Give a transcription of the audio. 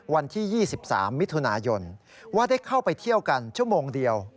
วันที่๒๓มิถุนายนว่าได้เข้าไปเที่ยวกันชั่วโมงเดียว